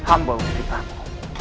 amba gusti prabu